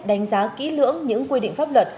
đánh giá kỹ lưỡng những quy định pháp luật